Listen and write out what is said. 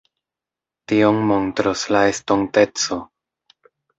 Tion montros la estonteco.